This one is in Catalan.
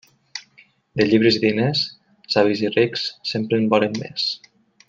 De llibres i diners, savis i rics sempre en volen més.